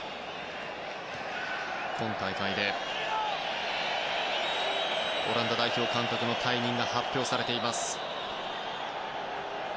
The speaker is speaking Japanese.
今大会でオランダ代表監督の退任が発表されています。